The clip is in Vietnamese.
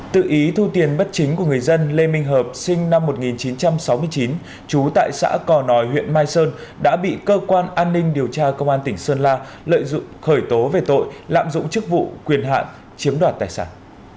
tự ý thu tiền bất chính của người dân lê minh hợp sinh năm một nghìn chín trăm sáu mươi chín trú tại xã cò nòi huyện mai sơn đã bị cơ quan an ninh điều tra công an tỉnh sơn la lợi dụng khởi tố về tội lạm dụng chức vụ quyền hạn chiếm đoạt tài sản